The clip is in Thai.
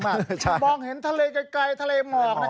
มองเห็นทะเลไกลทะเลหมอก